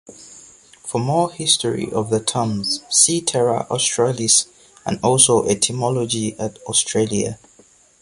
For more history of the terms, see Terra Australis, and also Etymology at Australia.